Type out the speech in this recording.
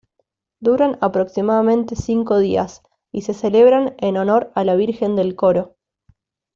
Duran aproximadamente cinco días, y se celebran en honor a la Virgen del Coro.